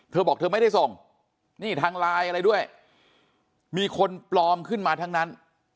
เธอบอกเธอไม่ได้ส่งนี่ทางไลน์อะไรด้วยมีคนปลอมขึ้นมาทั้งนั้น